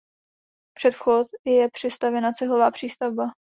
Před vchod je přistavěna cihlová přístavba.